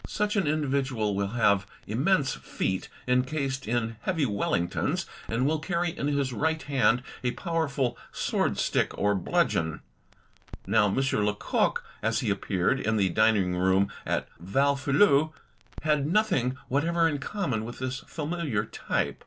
Such an individual will have immense feet incased in heavy Wellingtons and will carry in his right hand a 154 THE TECHNIQUE OF THE MYSTERY STORY powerful sword stick or bludgeon. Now M. Lecoq, as he appeared in the dining room at Valfeuillu, had nothing whatever in common with this familiar type.